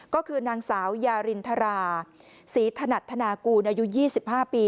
ก็คือนางสาวยารินทราศรีถนัดธนากูลอายุ๒๕ปี